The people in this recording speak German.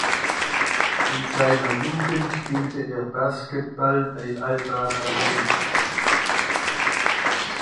In seiner Jugend spielte er Basketball bei Alba Berlin.